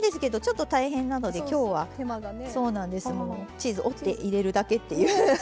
チーズ折って入れるだけっていう。